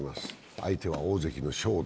相手は大関の正代。